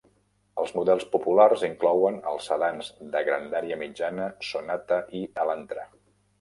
Els models populars inclouen els sedans de grandària mitjana Sonata i Elantra.